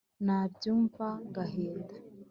nabyumva ngahinda